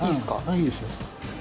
いいですよ。